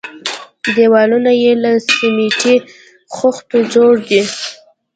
دېوالونه يې له سميټي خښتو جوړ دي.